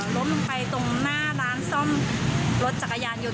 ล้มลงไปตรงหน้าร้านซ่อมรถจักรยานยนต